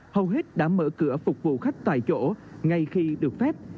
hầu hết đã mở cửa phục vụ khách tại chỗ ngay khi được phép